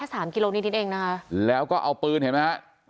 สามกิโลนิดนิดเองนะคะแล้วก็เอาปืนเห็นไหมฮะ